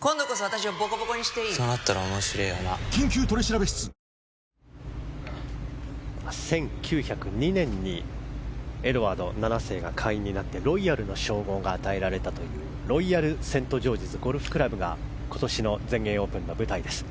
ナイスパーセーブを見せている１９０２年にエドワード７世が会員になってロイヤルの称号が与えられたというロイヤルセントジョージズゴルフクラブが今年の全英オープンの舞台です。